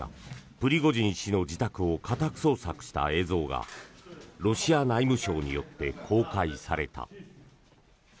プリゴジン氏の自宅を家宅捜索した映像がロシア内務省によって公開された。